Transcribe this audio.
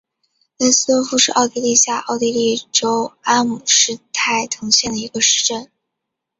恩斯多夫是奥地利下奥地利州阿姆施泰滕县的一个市镇。